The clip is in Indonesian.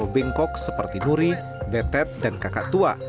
seperti paru bengkok seperti nuri betet dan kakak tua